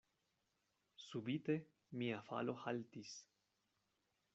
Subite mia falo haltis.